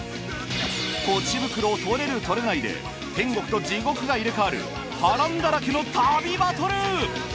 ポチ袋を取れる取れないで天国と地獄が入れ替わる波乱だらけの旅バトル。